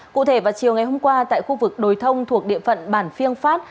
cụ thể vào chiều ngày hôm qua tại khu vực đồi thông thuộc địa phận bản phiêng phát